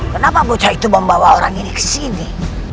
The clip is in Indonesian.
kenapa bocah itu membawa orang ini ke sini